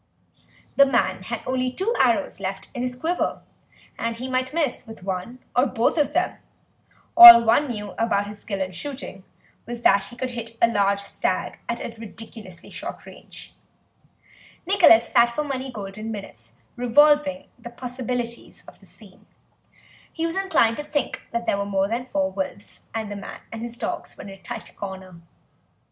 The man had only two arrows left in his quiver, and he might miss with one or both of them; all one knew about his skill in shooting was that he could hit a large stag at a ridiculously short range. Nicholas sat for many golden minutes revolving the possibilities of the scene; he was inclined to think that there were more than four wolves and that the man and his dogs were in a tight corner.